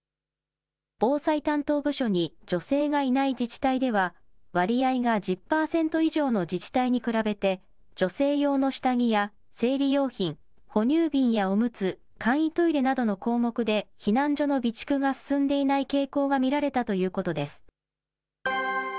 防災担当部署に女性がいない自治体では、割合が１０％以上の自治体に比べて、女性用の下着や生理用品、哺乳瓶やおむつ、簡易トイレなどの項目で避難所の備蓄が進んでいない傾向が見られたということです。